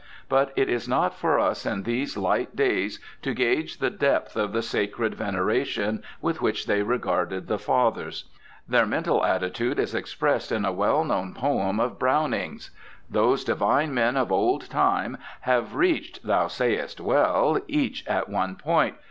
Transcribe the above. But it is not for us in these light days to gauge the depth of the sacred venera tion with which they regarded the Fathers. Their X 2 3o8 BIOGRAPHICAL ESSAYS mental attitude is expressed in a well known poem of Browning's : those divine men of old time Have reached, thou sayest well, each at one point.